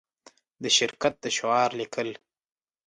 د شرکت د شعار لیکل